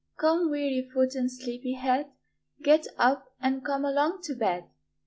Come, weary foot, and sleepy head, Get up, and come along to bed."